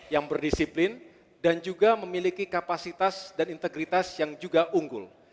yang berdisiplin dan juga memiliki kapasitas dan integritas yang juga unggul